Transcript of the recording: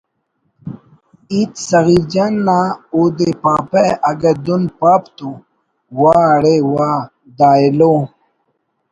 ہیت صغیر جان نا اودے پاپہ اگہ دن پاپ تو…… ٭واہ اڑے واہ دا ایلو